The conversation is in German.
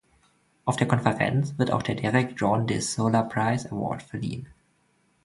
Auf der Konferenz wird auch der Derek John de Solla Price Award verliehen.